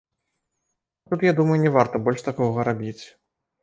А тут, я думаю, не варта больш такога рабіць.